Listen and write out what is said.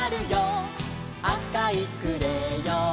「あかいクレヨン」